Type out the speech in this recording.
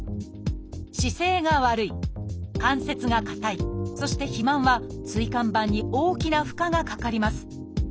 「姿勢が悪い」「関節が硬い」そして「肥満」は椎間板に大きな負荷がかかります。